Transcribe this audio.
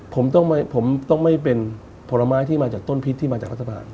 ผมต้องไม่เป็นผลไม้ที่มาจากต้นพิษที่มาจากรัฐบาล